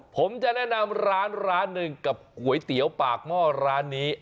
ผมจะแนะนำร้านร้านหนึ่งกับก๋วยเตี๋ยวปากหม้อร้านนี้